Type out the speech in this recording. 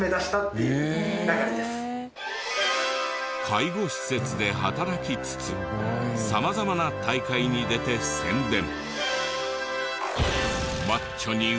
介護施設で働きつつ様々な大会に出て宣伝。